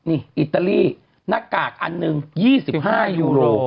นี่อิตาลีหน้ากากอันหนึ่ง๒๕ยูโร